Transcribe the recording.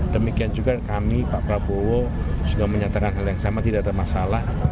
demikian juga kami pak prabowo sudah menyatakan hal yang sama tidak ada masalah